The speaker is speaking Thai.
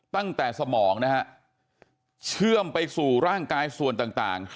ตั้งแต่สมองนะฮะเชื่อมไปสู่ร่างกายส่วนต่าง